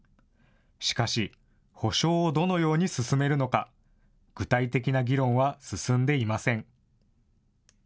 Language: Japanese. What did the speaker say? しかし、補償をどのように進めるのか、具体的な議論は進んでいません。